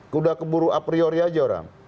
kuda keburu a priori saja orang